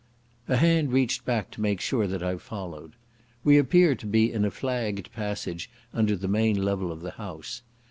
A hand reached back to make sure that I followed. We appeared to be in a flagged passage under the main level of the house.